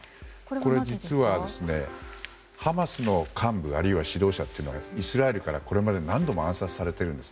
実は、ハマスの幹部あるいは指導者というのはイスラエルから、これまで何度も暗殺されているんです。